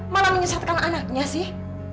malah menyesatkan anaknya sih